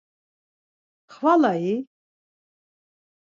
Xvala-i?